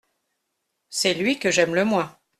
C’est lui que j’aime le moins.